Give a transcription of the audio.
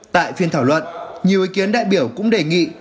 tại phiên thảo luận nhiều ý kiến đại biểu cũng đề nghị